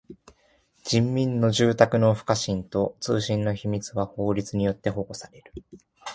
人民の住宅の不可侵と通信の秘密は法律によって保護される。